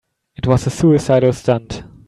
It was a suicidal stunt.